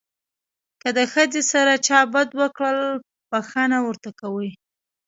که د ښځې سره چا بد وکړل بښنه ورته کوي.